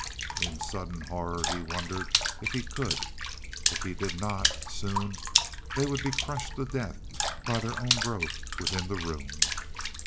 In sudden horror he wondered if he could. If he did not, soon, they would be crushed to death by their own growth within the room.